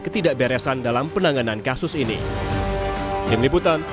kepolisian dituntut untuk bertindak transparan untuk menjawab berbagai tuduhan dan mencari penyelidikan